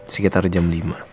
sekitar jam lima